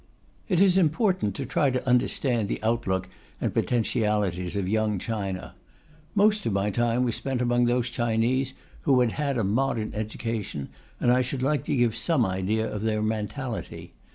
It is important to try to understand the outlook and potentialities of Young China. Most of my time was spent among those Chinese who had had a modern education, and I should like to give some idea of their mentality.